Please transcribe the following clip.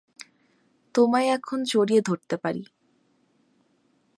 তোমায় এখন জড়িয়ে ধরতে পারি।